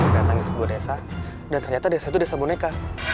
datang ke sebuah desa dan ternyata desa itu desa boneka